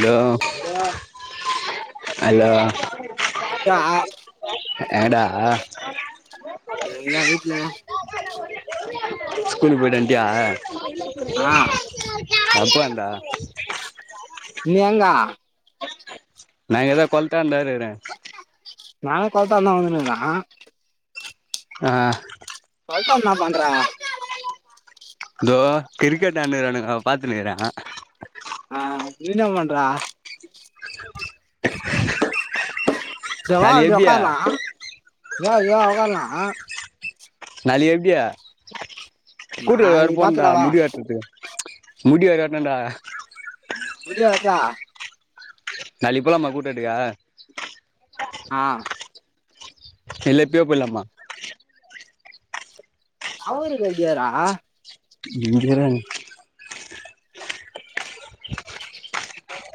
Hello hello ஆ ஏங்கடா நா இங்க தான் வீட்டுல ஸ்கூலுக்கு போயிட்டு வந்ட்டியா ஆ எப்ப வந்த நீ எங்க நான் இங்கதான் குளத்தாண்ட இருக்குறேன் நானும் குளத்தாண்ட தான் வந்துனு இருக்குறேன் ஆ குளத்தாண்ட என்ன பண்ற தோ கிரிக்கெட் ஆடின்னு இருக்குறானுங்க பாத்துன்யிருக்குறன் ஆ நீ என்னா பண்ற சரி வா நாளைக்கு இப்படி எப்டியா உட்காரலாம் இப்டி வா இப்டி வா உட்காரலாம் நாளைக்கு எப்டியா கூட்டு ரோடு நாளைக்கு போனுடா பாத்துக்கலா வா முடி வெட்டுறதுக்கு முடி வேற வெட்டணும் டா விட்றா இருடா நாளைக்கு போலாமா கூட்ரோடுக்கு ஆ இல்ல இப்பயே போயிடலாமா அவற கதையாடா இங்கேயிருறா நீ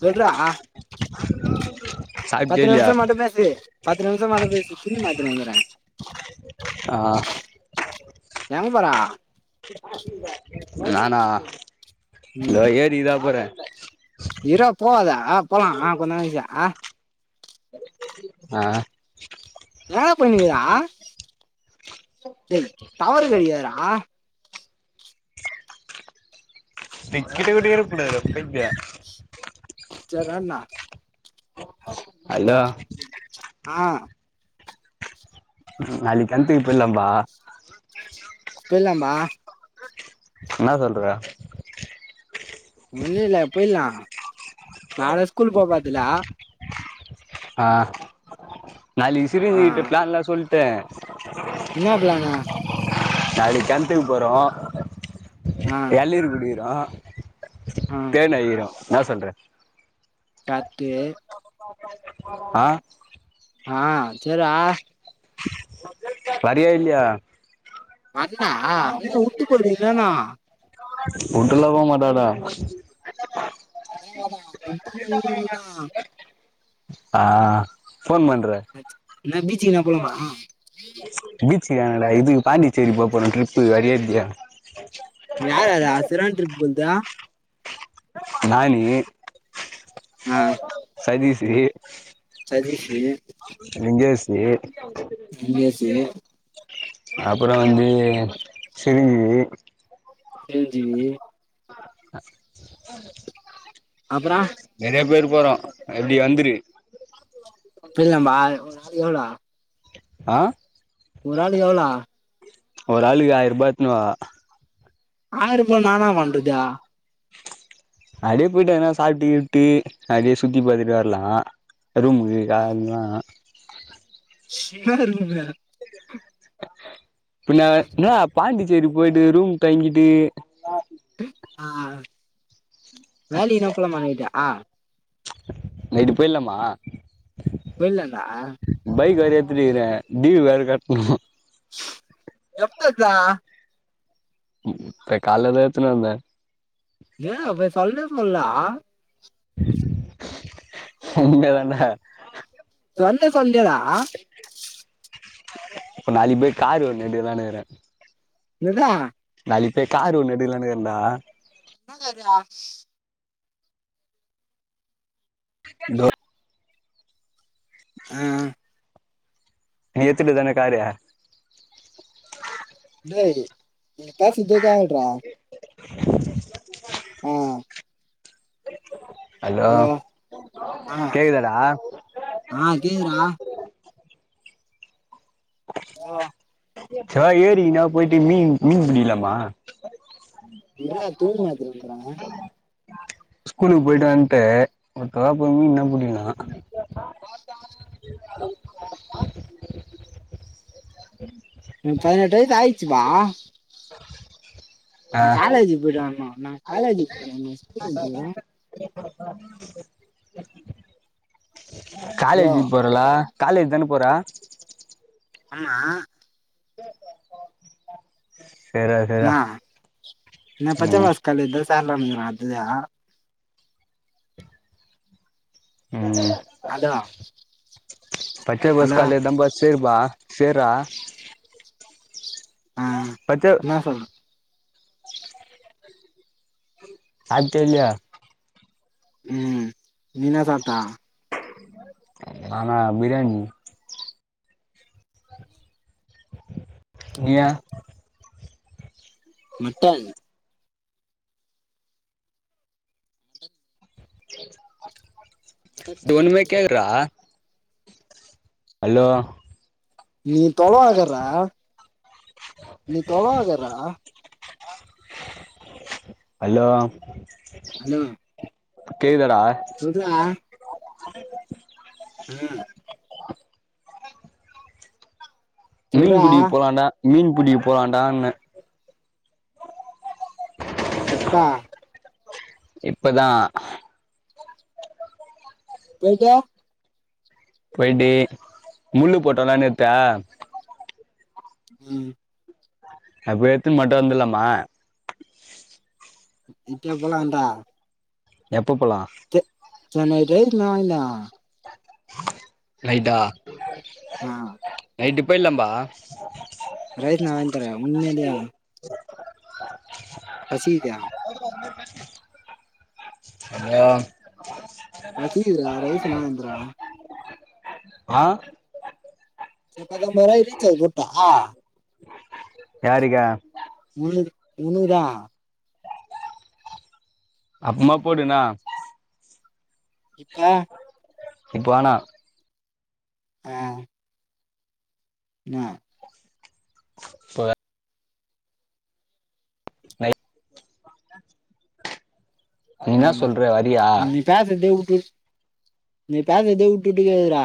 சொல்றா அஹ [inaudible] பத்து நிமிஷம் மட்டும் பேசு பத்து நிமிஷம் மட்டும் பேசு துணி மாத்தின்னு வந்துறேன் ஆ எங்க போறா நானா தோ ஏரிக்கு தா போறேன். இர்ரா போவாதா போலாம் ஆ கொஞ்ச நேரம் கலுச்சி ஆ எங்கடா போயினு இருக்குற டேய் டவரு கிடைக்காதுரா டிஜிகிட்ட இருக்கக் கூடாதுரா பைக்கு சேர் ராண்ணா ஹலோ ஆ நாளைக்கு கிணத்துக்கு போயரலாம்பா போயிடலாம்பா இன்னா சொல்ற ஒன்னு இல்ல போய்லா நாள ஸ்கூல் போ போர்துல்ல ஆ நாளைக்கு சிரிநிதி கிட்ட ப்ளான்ல்லா சொல்ட்டே இன்ன ப்ளான்னு நாளைக்கு கெணத்துகு போறோ எளநீர் குடிக்குரோ தேன் [unintelligible] ன்ன சொல்றே கர்ட்டு [inaudible] ஆ ஆ செர்ர வரியா இல்லியா அண்ணா நீங்கவுட்டு போய்டுவிங்களண்ணா வுட்டுல்ல போமாட்டடா [inaudible] ஆ ஃபோன் பண்ற என்ன பீச்சி எங்ன போலமா பீச்ச வேனாடா இது பாண்டிச்சேரி போறோ ட்ரிப்பு வரியா இல்லியா [inaudible] யார் வர [unintelligible] ட்ரிப்க்கு வந்த நானி ஆ சதீஸ்ஸு சதீஸ்ஸு லிங்கெஸ்ஸு லிங்கெஸ்ஸு அப்பறோ வந்து சிருஞ்சிவி சிருஞ்சிவி அப்பறோ நெறைய பேரு போறோ எப்டி வந்துரு போய்லாபா ஒரு ஆளுக்கு எவ்ளோ ஆ ஆளுக்கு எவ்வளோ ஒரு ஆளுக்கு ஆயிர்பா எடுத்துனுவா ஆயிர்பா நா இன்னா பண்றது அடியே போய்ட்டு எங்னா சாப்ட்டு கிப்ட்டு அடியே சுத்தி பாத்ட்டு வர்லா ரூமுக்கு [unintelligible] சின்னதா ரூம் வேற பின்ன என்னடா பாண்டிச்சேரி போய்ட்டு ரூம் தங்கிட்டு ஆ வேலைக்குனா போலமா நைட்டு ஆ நைட்டு போய்லாமா போய்லான்டா பைக் வேர ஏத்துட்டு இருக்குற டிவு வேர கட்ணு எப்ப எத்த இப்ப கால்லதா எத்துனு வந்த ஏ அப்போ சொல்லே முள்ள உண்மயாதான்ட சொன்யா சொல்லியாடா இப்ப நாளைகு போய் காரு ஒன்னு எடுக்கலானு இருகுற என்னது நாளைகு போய் காரு ஒன்னு எடுக்கலானு இருக்குறன்டா என்னா காரு கோ அ நீ எத்துட்டதான காரு டேய் நீ பேசுறதே கேக்குல டா ஆ ஹலோ ஆ கேக்குதாடா ஆ கேக்குதுடா ஹலோ சே வா ஏறிக்கி நா போய்ட்டு மீன் மீன் புடிகுலாமா இற்றா துணி மாத்தினு வந்துற ஸ்கூலுக்கு போய்ட்டு வந்ட்டு ஒருத்தரா போய் மீன்னா புடிகலா எனக் பதினெட்டு வைசு ஆய்ச்சிப்பா நா ஆ காலேஜுக்கு போய்ட்டு வரணு ந காலேஜ் போறியா நீ ஸ்கூல்னு இருக்குற வெளிய போலாமா ஹலோ காலேஜு போறல காலேஜ் தான போற ஆமா சேரா சேரா நா நா ம் பச்சைபாஸ் காலேஜ் தா சேந்தோம்ல இர்க்க அதுவா அதா பச்சைபாஸ் காலேஜ் தாம்பா சேர்பா சேர்ரா ஆ பச்ச எனா சொல் அத் தெர்லயா ம் நீ எனா சாப்ட்ட நானா பிர்ராணி இது ஏ மட்டன் மட்டன் இது பிரியாணி. ஒன்னுமே கேக்கறடா ஹலோ நீ தொலவாகிரா நீ தொலவாகிரா அல்லோ ஹலோ கேக்குதாடா சொல்ரா ம் மீன் சொல்றா புடிக்க போலான்ன மீன் புடிக்க போலான்டான்ன எப்பா இப்பதா போயிட்டு போயிட்டு முள்ளு போட்டோல்ல நேத்த ம் அது போய் எத்துன் மட்டு வந்துலாமா இப்பயே போலான்டா எப்ப போலா கெ கேன் ஐ டிரைவ் நைட்டா ஆ நைட்டு போயிருலாம்பா ரைஸ் நா வாய்ன் தரே உண்மையிலே பசிக்குதா ஹலோ எனக்கு கேக்குது டா ரைஸ் இன்னா வாய்ன் தர ஆ நேத் பத்தொம்பரூவாய்க்கு ரீசார்ஜ் போட்டா யாருக்கு உனுக் உனுக்கு தா அப்றமா போடுன்னா இப்ப இப்போ வேணா அ இன்னா இப்போ வே லை நீ என்ன ம் சொல்ற வரியா நீ பேசதே உட்டு உட் நீ பேசதே உட்டு உட்டு கேக்குதுறா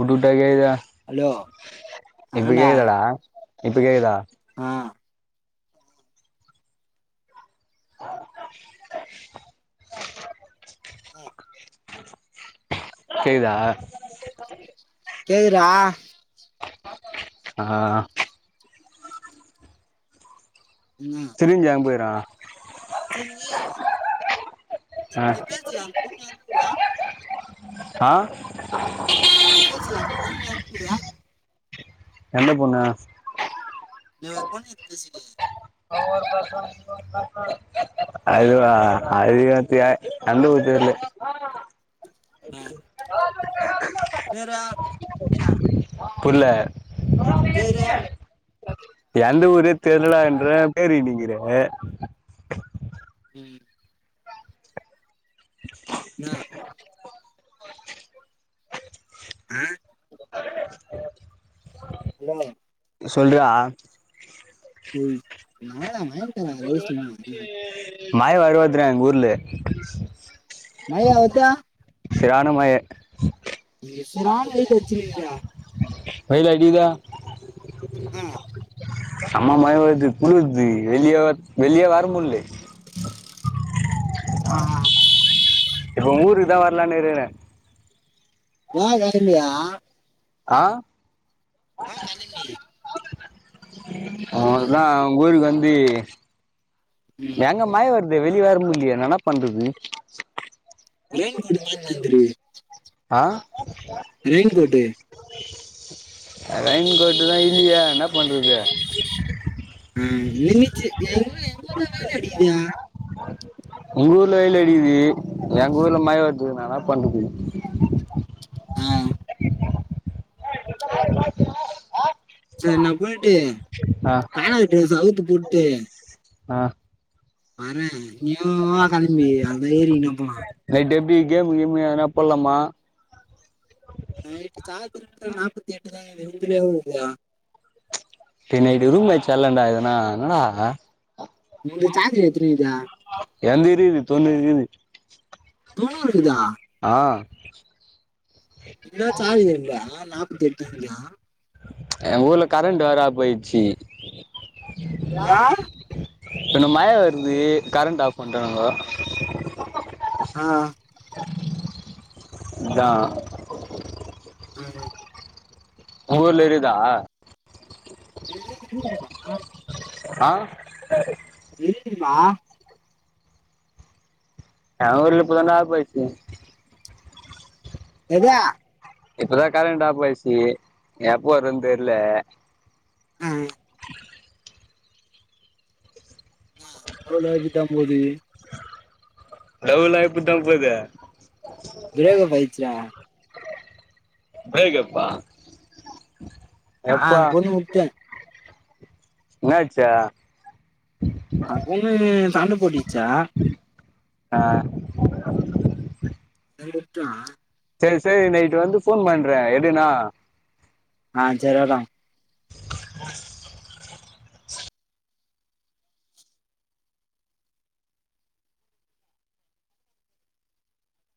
உட்டு உட்டா கேக்குது ஹலோ இப்ப கேக்குதா டா இப்ப கேக்குதா அ அ கேக்குதா கேக்குதுறா அ ஆமா சிரஞ்சி எங் போயிகிறா செரி விய்யி ஆ நீ பேசிக்கோ அந்த பொண்ண யார் கூப்புறா அ இப்ப போச்ன்னா அந்த பொண்ண யார் கூப்புறா எந்த பொண்ண நீ ஒரு பொண்ணுக்கிட் பேசுருயே அதுவா அது எப்பயா எந்த ஊரு தெர்ல புர்ல எந்த ஊரே தெர்லடான்ற பேர் இன்னிங்கிற அ ம் இன்னா என்னமா சொல்றா டே [unintelligible] மழ வேற வருவதுடா எங்க ஊர்ல மழ வந்துச்சா செரியானா மழ இங்க சுறா மீனு கச்சிருக்குதுடா வயில அடிக்குது சம்ம மழ வருது குளிற்து வெளிய வெளிய வரமுல்ல அ எங்க ஊருக்கு தா வர்லான்னு இருக்கறே எ வேல இல்லியா அ வா கிளம்பி அவ்ளோ தா உங்க ஊருக்கு வந்து எங்க மழ வருது வெளிய வர முட்லியே நா இன்னா பண்றது ரெயின் கோட்டு மாட்டினு வந்துரு அ ரெயின் கோட்டு ரெயின் கோட்டு் தா இல்லியே இன்னா பண்றது அ நின்னுச்சி எங்க எங்கூருல வெயில் அடிக்குதே உங்க ஊர்ல வெயில் அடிக்குது எங்க ஊர்ல மழ வருது நா இன்னா பண்றது ம் செரி நா போயிட்டு அ ஆனா ட்ரெஸ் அவுத்து போட்டு அ வறே நீயு வா களம்பி அந்த ஏரி கிட்ட போலா நைட் எப்டி கேம் கீமு எதனா போட்லாமா நைட்டு் சார்ஜ் இன்னு நாற்பத்தெட்டு தா கீது உந்து இவ்ளோ கீதோ எ நைட்டுக்கு ரூம் மேட்ச் ஆட்லாண்டா எதனா இன்னடா உந்து சார்ஜ் எத்தினி கீது எந்து இருக்குது தொண்ணுரு கீது தொண்ணுரு ருக்குதா ஆ இன்னு சார்ஜ் இருக்குடா நாற்பத்தெட்டுஇருக்குடா எ ஊர்ல கரண்ட் வேற போயிச்சி யா ரெண்டு மழ வருது கரண்ட் ஆப் பண்டாணுங்கோ அ இதா அ உங்க ஊர்ல இருக்குதா [unintelligible] அ இருக்குது மா ஏ ஊர்ல இப்ப தா டா ஆப் ஆயிச்சி எது இப்பதா கரண்டா ஆப் ஆயிச்சி எப்போ வரு தெர்ல அ ஆ [unintelligible] லவ்வெல்லா இப்டிதா போது லவ்வெல்லா இப்டி தா போது ப்ரேக்கப்பாயிடுச்சுடா பிரேக்கப்பா ஆ எப்பா அந்த பொண்ண உட்டே என்னாச்சு அந்த பொண்ணு சண்ட போட்டுச்சா ஆ அந்த இடத்தில் செரி சரி நைட்டு வந்து போன் பண்றேன் எடு என்னா ஆ ச்ரியா தா [inaudible]